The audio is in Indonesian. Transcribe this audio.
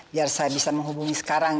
biar saya bisa menghubungi sekarang